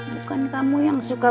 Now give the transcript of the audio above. bukan kamu yang suka